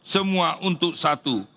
semua untuk satu